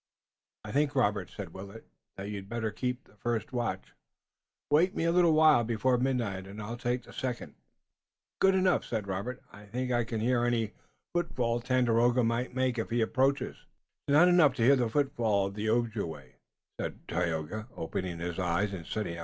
"I think, Robert," said Willet, "that you'd better keep the first watch. Wake me a little while before midnight, and I'll take the second." "Good enough," said Robert. "I think I can hear any footfall Tandakora may make, if he approaches." "It is not enough to hear the footfall of the Ojibway," said Tayoga, opening his eyes and sitting up.